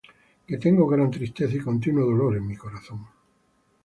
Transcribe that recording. Que tengo gran tristeza y continuo dolor en mi corazón.